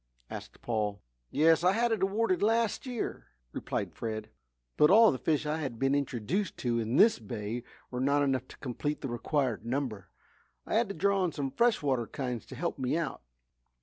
asked Paul. "Yes, I had it awarded last year," replied Fred. "But all the fish I have been introduced to in this bay were not enough to complete the required number. I had to draw on some fresh water kinds to help me out."